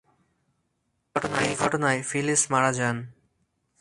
এই ঘটনায় ফিলিস মারা যান।